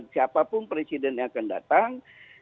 siapapun presiden yang akan datang